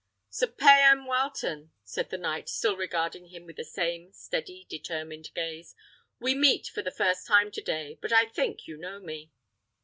"Sir Payan Wileton," said the knight, still regarding him with the same steady, determined gaze, "we meet for the first time to day; but I think you know me."